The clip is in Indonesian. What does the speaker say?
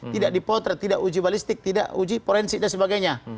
tidak dipotret tidak uji balistik tidak uji forensik dan sebagainya